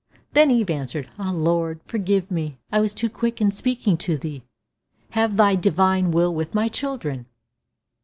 Then Eve answered, "Ah, Lord, forgive me, I was too quick in speaking to thee. Have thy divine will with my children."